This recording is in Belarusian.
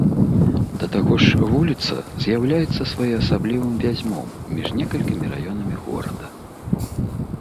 Да таго ж вуліца з'яўляецца своеасаблівым вязьмом між некалькімі раёнамі горада.